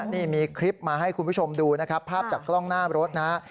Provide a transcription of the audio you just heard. นี่มีคลิปมาให้คุณผู้ชมดูนะครับภาพจากกล้องหน้ารถนะฮะ